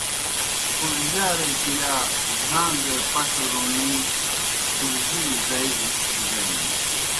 پُھڙجیارے کِرِیا بھان٘گے پٹھہ روݨی پُھڙِجلیْ زائیجیْ بدینَن۔